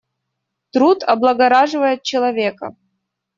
Труд облагораживает человека.